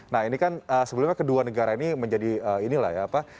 nah ini kan sebelumnya kedua negara ini menjadi inilah ya